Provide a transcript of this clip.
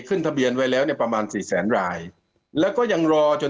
ขึ้นทะเบียนไว้แล้วเนี่ยประมาณสี่แสนรายแล้วก็ยังรอจน